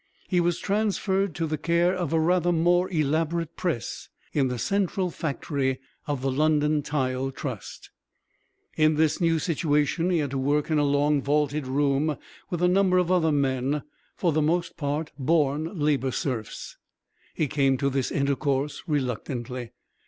He was transferred to the care of a rather more elaborate press in the central factory of the London Tile Trust. In this new situation he had to work in a long vaulted room with a number of other men, for the most part born Labour Serfs. He came to this intercourse reluctantly.